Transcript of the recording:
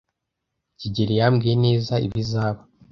kigeli yambwiye neza ibizaba.